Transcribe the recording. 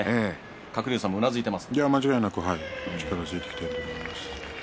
鶴竜さんもうなずいています。